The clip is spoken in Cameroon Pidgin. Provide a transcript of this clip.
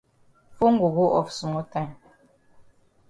Fone go go off small time.